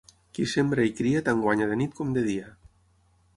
Qui sembra i cria tant guanya de nit com de dia.